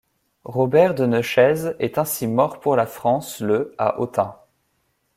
Robert de Neuchèze est ainsi mort pour la France le à Autun.